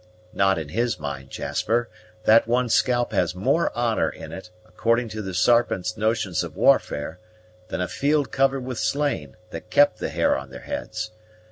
"Not in his mind, Jasper. That one scalp has more honor in it, according to the Sarpent's notions of warfare, than a field covered with slain, that kept the hair on their heads.